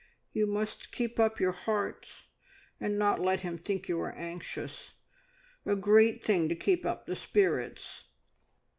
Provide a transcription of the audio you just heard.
You must keep up your hearts, and not let him think you are anxious. A great thing to keep up the spirits!"